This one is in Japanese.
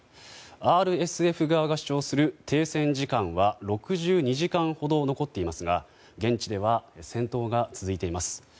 ＲＳＦ側が主張する停戦時間は６２時間ほど残っていますが現地では戦闘が続いています。